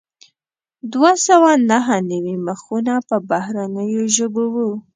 دوه سوه نهه نوي مخونه په بهرنیو ژبو وو.